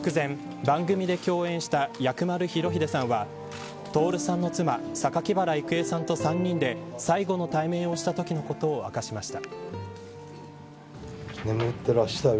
亡くなる直前、番組で共演した薬丸裕英さんは徹さんの妻榊原郁恵さんと３人で最後の対面をしたときのことを明かしました。